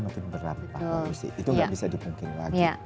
makin berantakan itu gak bisa dipungkinkan lagi